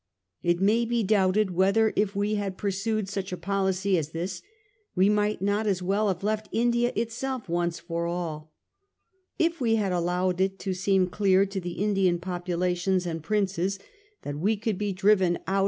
It may be doubted whether, if we had pursued such a policy as this, we might not as well have left India itself once for all. If we had allowed it to seem clear to the Indian populations and princes that we could be driven out 260 A HISTORY OF OUR OWN TIMES. cn. xr.